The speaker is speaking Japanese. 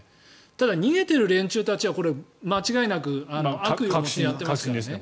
ただ、逃げている連中たちはこれ間違いなく悪意を持ってやっていますよね。